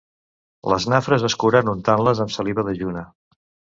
Les nafres es curen untant-les amb saliva dejuna.